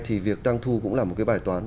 thì việc tăng thu cũng là một cái bài toán